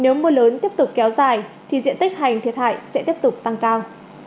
nếu mưa lớn tiếp tục kéo dài thì diện tích hành thiệt hại sẽ tiếp tục tăng cao